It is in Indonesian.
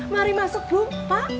mari masuk bu pak